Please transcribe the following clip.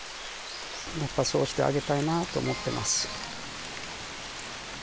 やっぱそうしてあげたいなって思ってます。